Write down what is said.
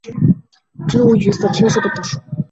初回生产限定盘与通常盘的封套不一样。